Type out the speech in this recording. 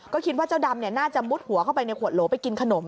ก็คิดว่าเจ้าดำน่าจะมุดหัวเข้าไปในขวดโหลไปกินขนม